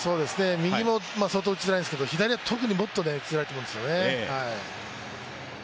右も相当打ちづらいんですけど、左はもっと特に打ちづらいと思うんです。